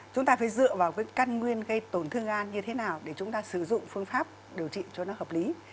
chúng ta phải dựa vào cái căn nguyên gây tổn thương gan như thế nào để chúng ta sử dụng phương pháp điều trị cho nó hợp lý